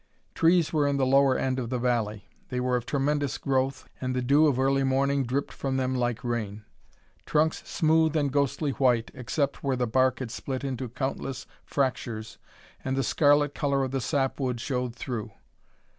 Trees were in the lower end of the valley. They were of tremendous growth, and the dew of early morning dripped from them like rain. Trunks smooth and ghostly white, except where the bark had split into countless fractures and the scarlet color of the sap wood showed through.